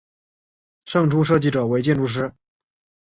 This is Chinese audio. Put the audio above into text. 胜出设计者为建筑师。